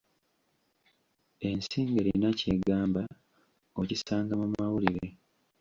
Ensi ng'erina ky'egamba, okisanga mu mawulire.